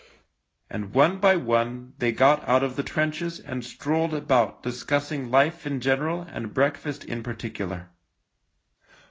And one by one they got out of the trenches and strolled about discussing life in general and breakfast in particular.